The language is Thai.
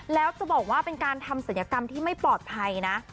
แล้วจะบอกว่าเป็นการทำศัลยกรรมที่ไม่ปลอดภัยนะ